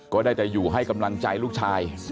ก็ได้แต่อยู่ให้กำลังใจลูกชาย